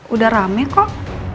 udah rame kok